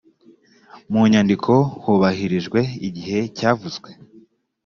mu nyandiko hubahirijwe igihe cyavuzwe